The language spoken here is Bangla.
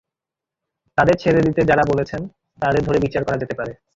তাঁদের ছেড়ে দিতে যাঁরা বলেছেন, তাঁদের ধরে বিচার করা যেতে পারে।